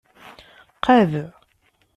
Qad.